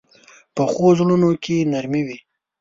پخو زړونو کې نرمي وي